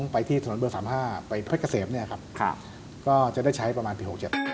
ไปที่ถนนเบอร์๓๕ไปเพชรเกษมเนี่ยครับก็จะได้ใช้ประมาณปี๖๗